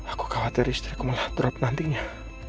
aku khawatir istriku malah drop nantinya